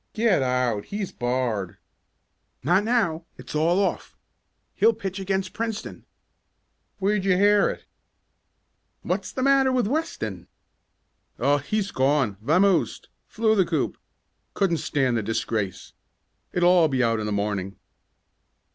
"Get out! He's barred!" "Not now. It's all off. He'll pitch against Princeton!" "Where'd you hear it?" "What's the matter with Weston?" "Oh, he's gone vamoosed flew the coop. Couldn't stand the disgrace. It'll all be out in the morning."